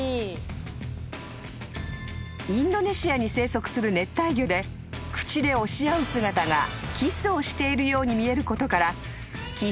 ［インドネシアに生息する熱帯魚で口で押し合う姿がキスをしているように見えることから］